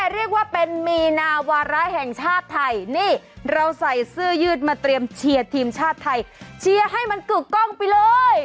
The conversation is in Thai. เรียกว่าเป็นมีนาวาระแห่งชาติไทยนี่เราใส่เสื้อยืดมาเตรียมเชียร์ทีมชาติไทยเชียร์ให้มันกึกกล้องไปเลย